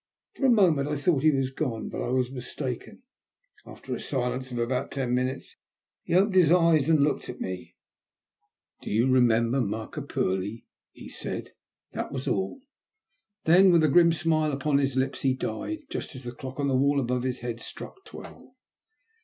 For a moment I thought he was gone, but I was mistaken. After a silence of about ten minutes he opened his eyes and looked at me. '* Do you remember Markapurlie ?" he said. That was all. Then, with a grim smile upon his lips, he died, just as the clock on the wall above his head struck twelve.